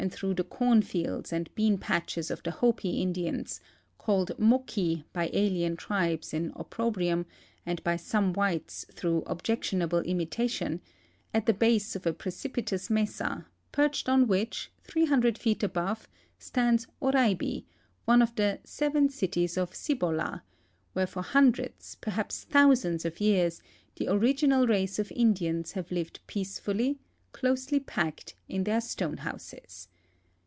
through the cornfields and bean patches of the Hopi Indians — called Moki by alien tribes in opprobrium and by some whites through objectionable imitation — at the base of a precipitous mesa, perched on which, 300 feet above, stands Oraibi, one of the '' Seven Cities of Cibola," where for hundreds, perhaps thousands, of years the original race of Indians have lived peacefully, closely packed in their stone houses.